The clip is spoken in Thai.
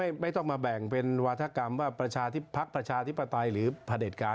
ก็ไม่ต้องมาแบ่งเป็นวัฒนากรรมว่าพักประชาธิปไตยหรือประเด็จการ